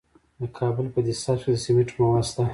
د کابل په ده سبز کې د سمنټو مواد شته.